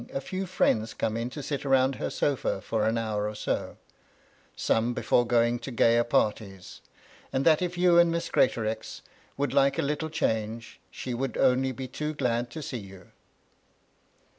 a few friends come in to sit round her sofa for an hour or so, — some before going to gayer parties — and that if you and Miss Greatorex would like a little change, she would only be too glad to see you.